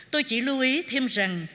tôi chỉ lưu ý thêm rằng